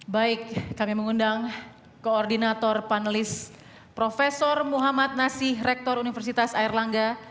baik kami mengundang koordinator panelis profesor muhammad nasih rektor universitas air langga